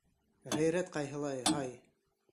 Ғәйрәт ҡайһылай, һай!